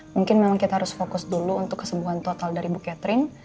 mungkin memang kita harus fokus dulu untuk kesembuhan total dari bu catherine